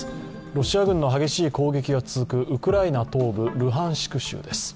ロシア軍の激しい攻撃が続くウクライナ東部ルハンシク州です。